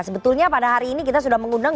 sebetulnya pada hari ini kita sudah mengundang